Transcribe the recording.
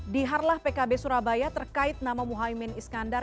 di harlah pkb surabaya terkait nama muhaymin iskandar